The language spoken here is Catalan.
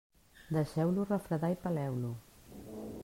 Deixeu-lo refredar i peleu-lo.